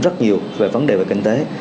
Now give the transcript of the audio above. rất nhiều về vấn đề về kinh tế